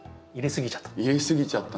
入れ過ぎちゃった？